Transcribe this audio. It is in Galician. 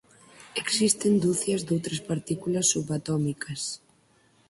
Existen ducias doutras partículas subatómicas.